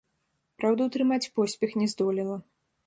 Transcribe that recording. Праўда, утрымаць поспех не здолела.